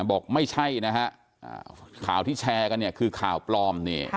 บอกไม่ใช่นะฮะข่าวที่แชร์กันเนี่ยคือข่าวปลอมเนี่ย